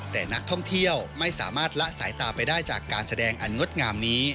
แต่นักท่องเที่ยวไม่สามารถละสายตาไปได้จากการแสดงอันงดงามนี้